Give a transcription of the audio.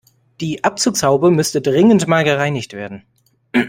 Die Abzugshaube müsste dringend mal gereinigt werden.